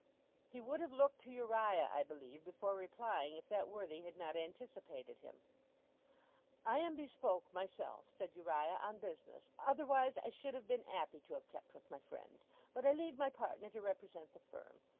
He would have looked to Uriah, I believe, before replying, if that worthy had not anticipated him. 'I am bespoke myself,' said Uriah, 'on business; otherwise I should have been appy to have kept with my friends. But I leave my partner to represent the firm.